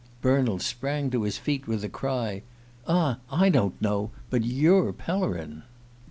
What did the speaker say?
Bernald sprang to his feet with a cry. "Ah, I don't know but you're Pellerin!"